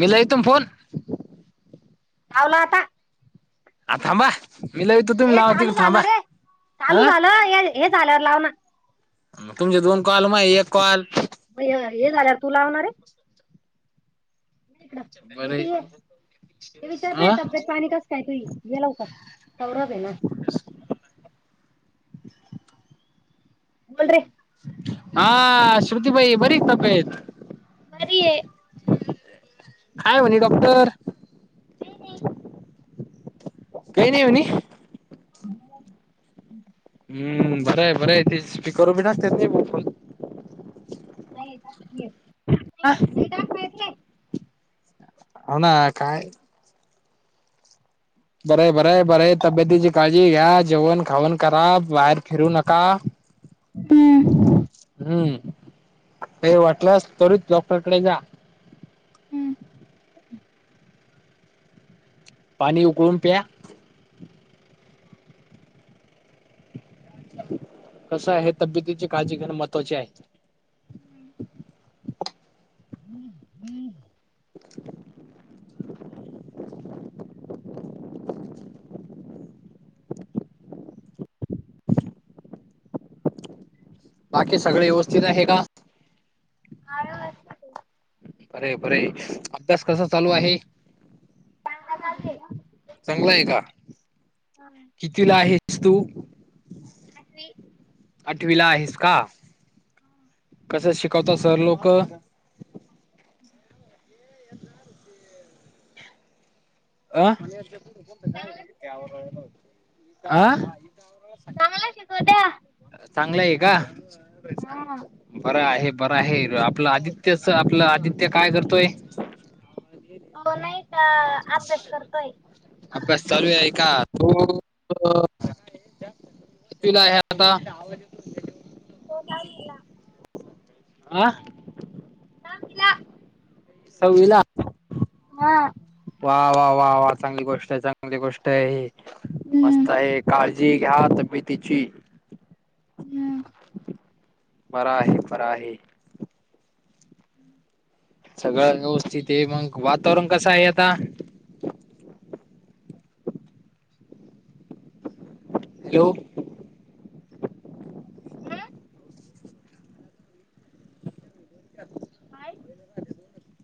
मी लई तुम फोन [unintelligible] लावला आता [unintelligible] आ थांबा [unintelligible] मीलाव तू [unintelligible] हे चालू झालं रे चालू झालं हे झालं लाव ना [unintelligible] तुमचे दोन कॉल माय एक कॉल. अ हे झाल्यावर तू लावणारे. नाही का बरे स्मृती या ते अ विचारतय तब्येत पाणी कसं काय तुझी. ये लवकर चौरब ये ना. बोल रे हा श्रुतीबाई बरी का तब्येत बरी ये. काय म्हणे डॉक्टर? काय नाही. काही नाही म्हणे. ह्. हम्म बरं आहे बरं आहे ते स्पीकर वर राहतंय मगं फोन नाहीे दाखवली ये, नाही दाखवत रे. होना काय. बरे बरे बरे तब्येतीची काळजी घ्या, जेवण खावन करा बाहेर फिरू नका. हम्म काही वाटलंस तरीच डॉक्टरकडे जा. पाणी उकळून प्या. कसं आहे तब्येतीची काळजी घेणं महत्त्वाची आहे. हम्म हम्म. [unintelligible] बाकी सगळे व्यवस्थित आहे का? आहे [unintelligible] बरे बरे अभ्यास कसा चालू आहे? चांगला चालू ये. चांगला आहे का, कितवीला आहेस तू? आठवी. आठवीला आहेस का. कस शिकवता सर लोक [unintelligible] [unintelligible] अ आ. चांगला शिकवता. चांगलं आहे का? हा बर आहे. बर आहे आपलं आदित्यच आपलं आदित्य काय करतोय. हो नाही का अभ्यास करतोय. ते आहे का. तो कितवीला आहे आता. तो दहावीला आ. सहावी ला. सहावीला. हा. वा वा वा वा चांगली गोष्ट आहे चांगली गोष्ट आहे हम्म मस्त आहे काळजी घ्या तब्येतीची हम्म बरा आहे, बरा आहे. [unintelligible] सगळं व्यवस्थित ये. मग वातावरण कसं आहे आता? येऊ. ज त बाईला काय झाले दोघ जण [unintelligible]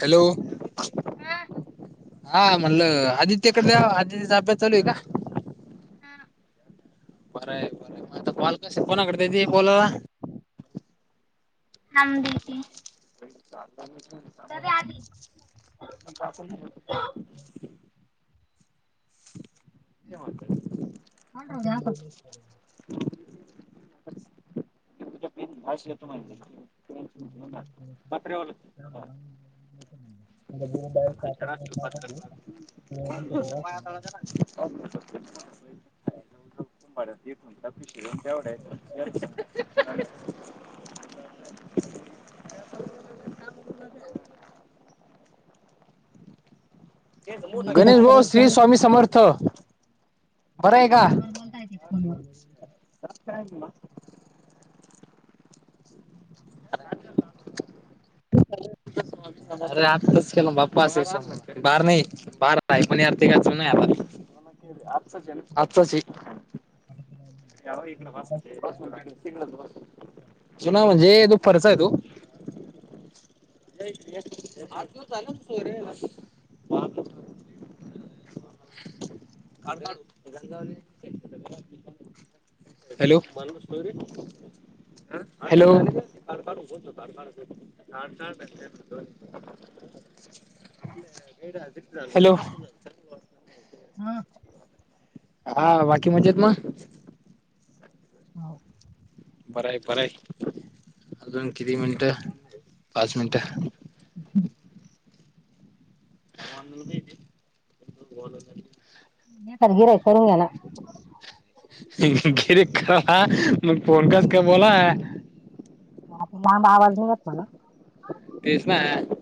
हॅलो. हा हा हा म्हणलं आदित्यकडे द्या आदित्यचा अभ्यास चालू आहे का? हां. बरं आहे बरं आहे मग आता कॉल कसे कोणाकडे देती हे कॉल थांब देती. आधी [inaudible] [unintelligible] [inaudible] [unintelligible] [unintelligible] [inaudible] [unintelligible] [inaudible] [unintelligible] [inaudible] [unintelligible] [inaudible] [unintelligible] [inaudible] [unintelligible] [unintelligible] [unintelligible] [inaudible] [unintelligible] मी [unintelligible] ते गणेश दप्तर भाऊ श्री उचलाल स्वामी समर्थ. [unintelligible] आहे का फोनवर बोलत आहेच की फोनवर [unintelligible] [unintelligible] [inaudible] [unintelligible] [inaudible] [unintelligible] [unintelligible] अरे आताच [unintelligible] बार नाही पार. [unintelligible] काही पण अर्थ घ्यायचं नाही आपण [unintelligible] आजचंच हे. [unintelligible] [unintelligible] चुना म्हणजे जो फर्च आहे तो. [unintelligible] [unintelligible] [unintelligible] [inaudible] [unintelligible] Hello [unintelligible] [unintelligible] hello [unintelligible] [unintelligible] [unintelligible] hello? [unintelligible] हां. [unintelligible] हां वा की म्हणजे दोन. [unintelligible] हो. [unintelligible] बरं आहे बरं आहे अजून किती मिनटं पाच मिनटं. [unintelligible] हम्म. [unintelligible] [inaudible] [unintelligible] [unintelligible] पळून गेला. [unintelligible] [unintelligible] मग फोन कस कर मला? [unintelligible] मला आवाज नाही येत मला. [unintelligible] तेच ना. [unintelligible]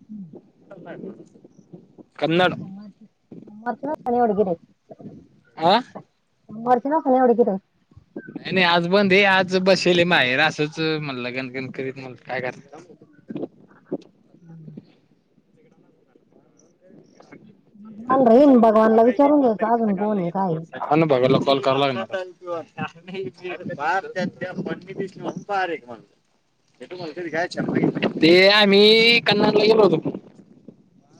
हम्म. [unintelligible] [inaudible] [unintelligible] [inaudible] [unintelligible] हां? [unintelligible] मरच ना खाल्या उडी घर [unintelligible] नाही नाही आज बंद हे आज बसले माहेर असंच म्हणलं गणगन करीत म्ह काय करराय [unintelligible] हम् [unintelligible] भगवान राहीन भगवानला विचारून घ्यायचं अजून कोणी काय [unintelligible] हां ना बघायला कॉल कराय लागणार [unintelligible] [unintelligible] वा रे वा [unintelligible] ते आम्ही [unintelligible] [unintelligible]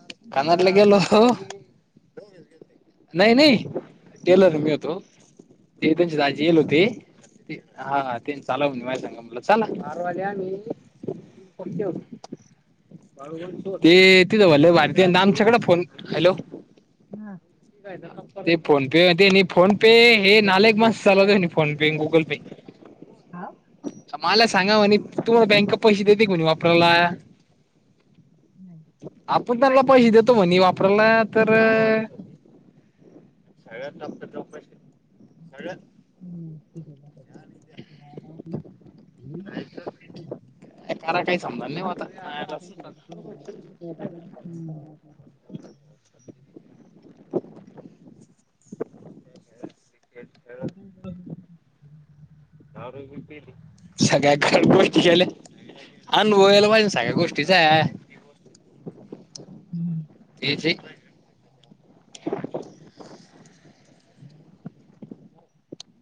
[unintelligible] [unintelligible] [unintelligible] नाही नाही टेलर मी होतो. [unintelligible] ते त्यांची [unintelligible] [unintelligible] ते हां हां ते [unintelligible] म्हणलं चला अरं [unintelligible] मी [unintelligible] ते त [unintelligible] आमच्याकडं फोन हॅलो [unintelligible] हा [unintelligible] हय [unintelligible] ते फोन पे, ते फोन पे हे नाले एक मास चालत आहे फोन पे, गुगल पे. हा. मला सांगा म्हणे. तु बँक पैसे देते कोणी वापरायला. आपण त्यानला पैसे देतो. म्हने वापरायला तर, सगळ्यात जास्त चौकशी सगळ्यात, हम. नाही कार काही समजा नाही होत आता बाबा. हम् ह. [unintelligible] सगळ्या काही गोष्टी झाले. अनुभवयला पाहिजे. सगळ्या गोष्टीचा हम्म [inaudible] हे जे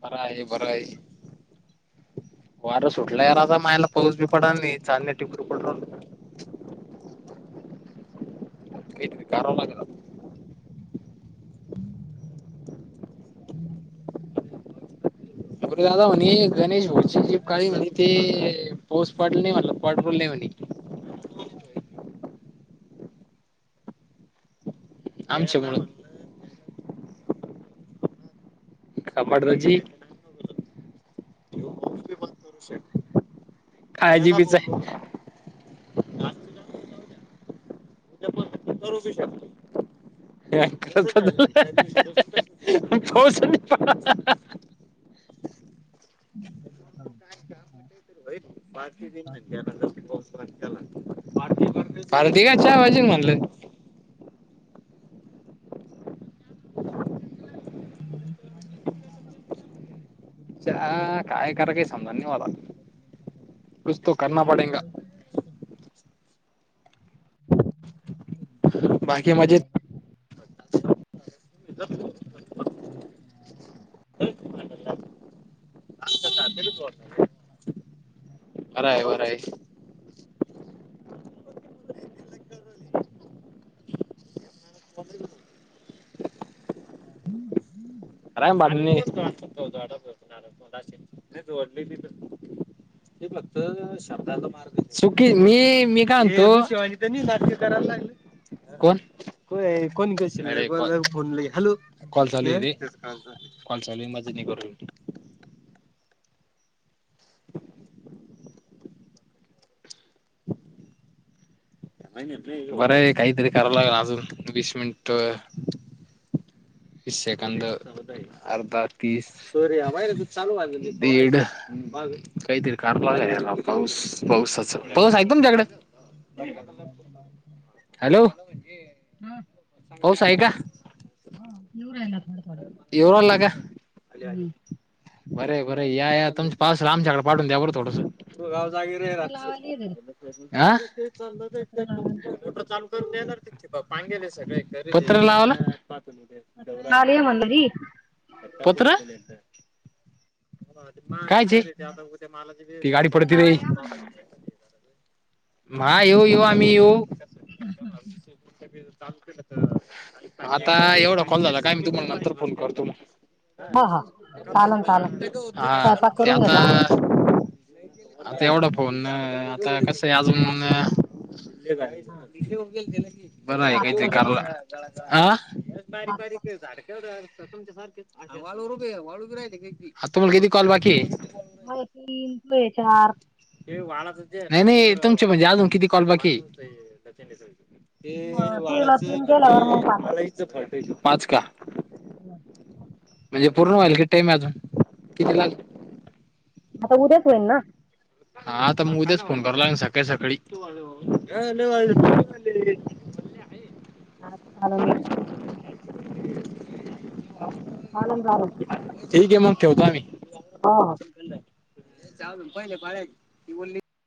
परा आहे. बरा आहे. वार सुटला या राजा मायला पाऊस बी पडाल नाही. चांले टिप पड. [inaudible] काही करावा लागेल. हम्. अरे दादा म्हणे गणेश भोची जी काळी म्हणते, पाऊसपाडलं नाही. म्हण पाठवल नाही. म्हणे, [inaudible] आमच्या म्हणून, काबाड रजी काळी जिभीच आहे. करू बी शकत. त खोस प [unintelligible] का आप काहीरी पाना जास् पा [unintelligible] पार्टी कशाला पाहिजे. म्हनलं, [inaudible] काय करायचं समजत नाही मला, कुछ तो करना पडेगा. ह [unintelligible] [inaudible] न [unintelligible] ह आव [unintelligible] ते वा [unintelligible] अरा आहे वर आहे. [inaudible] हम्म् हम्म्. रॅम भरलेली आहे. नाही जोडलेला आहे. [inaudible] ते, फक्तं शब्दाचा मार. चुकी मी मी का आणतो. कोण कोण? फोन हॅलो, कॉल चालू आहे. कॉल चालू आहे माझा नि कर हो. [inaudible] बरं आहे काहीतरी कराव लागेल. अजून वीस मिनिट तीस सेकंद, अर्धा तीस, तोवर बाय चालू दीड. मग काहीतरी काढतो बोलायला पाऊस-पावसाचं. पाऊस आहे का तुमच्याकडे? [inaudible] हॅलो. हा. पाऊस आहे का? हा, येवू राहीला आहे. थोडा-थोडा. येवू, राहीला का? हम्म्. बरंय-बरंय, या-या. तुमच्या पावसाला, आमच्याकडे पाठवून द्या बरं थोडसं. तू, गाव जागे रहा पत्र रातचं, लावायला ये घरी आ? पत्र लावायला मोटर चालू करून देणार ते पाणी [unintelligible] गेले सगळे. पत्रा लावला? पत्र नाही आले म्हणलं मी. पत्र. काय जी? असं म्हणलं रे. ती गाडी पत्र पडती रे. लावायला या म्हणलं री. माय येवू-येवू आम्ही येवू? आता, एवढा कॉल झाला काय मी, तुम्हाला नंतर फोन करतो मग. हा हा चालन चालन हा, स्वयंपाक ते करून आता घेतो आम्ही आता एवढा फोननं, आता कसं आहे अजून हा. बरं आहे का, ते साखर नाही कराला आम्ही आ खरच बारीक-बारीक साखर आहेत झाडं. तुमच्या सारखेच वाळूवर उभी आहे, वाळूवर उभी राहीली काय की? हा, तुम्हाला किती कॉल बाकी आहे? मला तीन, तूले चार. नाही-नाही, तुमचे म्हणजे अजून किती कॉल बाकी आहे? हे मग तुला वाळाचं तीन केल्यावर मग म्हणजे पाच मलाईचं फाटक आहे, पाच का? व्हयं. म्हणजे पूर्ण व्हायला किती टाईम आहे अजून? किती लाग आता उद्याच होईल ना? हा. आता मग, उद्याच फोन करावा लागल ना सकाळी-सकाळी. हा, चालंल मग. हा. चालेल चालेल. ठीक आहे मग ठेवतो आम्ही. हा हा. जाऊन पाहीले पाहीजे, ती बोलली.